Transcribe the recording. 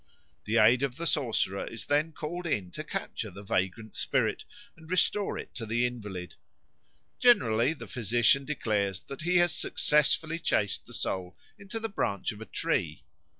The aid of the sorcerer is then called in to capture the vagrant spirit and restore it to the invalid. Generally the physician declares that he has successfully chased the soul into the branch of a tree.